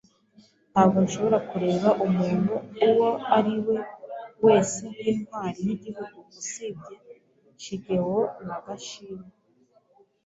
Ntabwo nshobora kureba umuntu uwo ari we wese nk'intwari y'igihugu usibye Shigeo Nagashima.